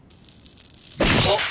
あっ！